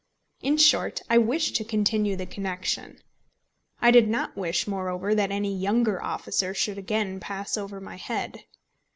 In short, I wished to continue the connection. I did not wish, moreover, that any younger officer should again pass over my head.